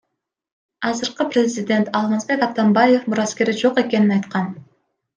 Азыркы президент Алмазбек Атамбаев мураскери жок экенин айткан.